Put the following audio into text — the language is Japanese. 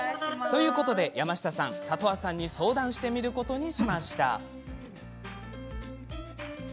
ということで、山下さん里和さんに相談してみることにしました。